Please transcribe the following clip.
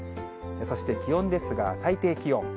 そして気温ですが、最低気温。